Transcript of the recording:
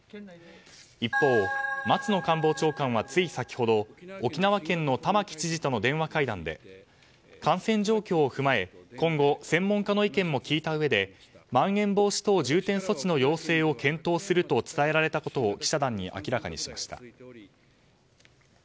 一方、松野官房長官はつい先ほど沖縄県の玉城知事との電話会談で感染状況を踏まえ今後、専門家の意見も聞いたうえでまん延防止等重点措置の要請を検討すると伝えられたことを記者団に明らかにしました。